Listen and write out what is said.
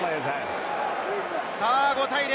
５対０！